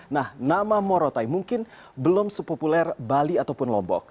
nah nama morotai mungkin belum sepopuler bali ataupun lombok